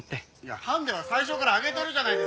ハンデは最初からあげてるじゃないですか！